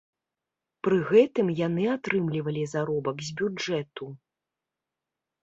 Пры гэтым яны атрымлівалі заробак з бюджэту.